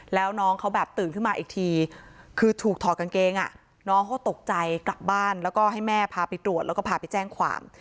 แล้วน้องเขาแบบตื่นขึ้นมาอีกทีคือถูกถอดกางเกงน้องเขาตกใจกลับบ้านแล้วก็ให้แม่พาไปตรวจแล้วก็พาไปแจ้งความ